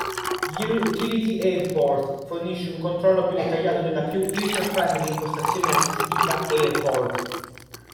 Utility AirPort fornisce un controllo più dettagliato della più "user-friendly" Impostazione Assistita AirPort.